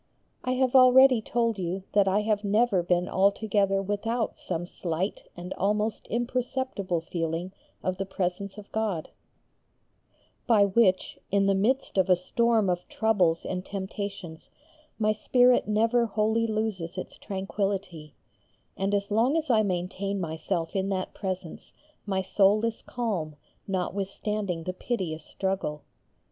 I have already told you that I have never been altogether without some slight and almost imperceptible feeling of the presence of God, by which in the midst of a storm of troubles and temptations my spirit never wholly loses its tranquility, and as long as I maintain myself in that presence my soul is calm notwithstanding the piteous struggle.